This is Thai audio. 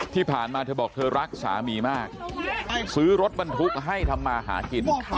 ที่ผ่านมาเธอบอกเธอรักสามีมากซื้อรถบรรทุกให้ทำมาหากิน